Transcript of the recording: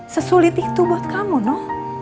sesulit itu buat kamu nong